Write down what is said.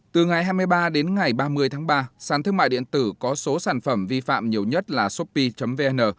từ ngày hai mươi ba đến ngày ba mươi tháng ba sàn thương mại điện tử có số sản phẩm vi phạm nhiều nhất là sopie vn